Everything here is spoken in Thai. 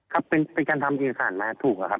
ครับเป็นการทำอีกสารไหมถูกครับ